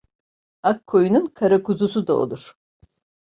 Ak koyunun kara kuzusu da olur.